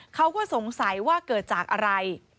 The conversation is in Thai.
เขาก็สงสัยว่าเกิดจากอะไร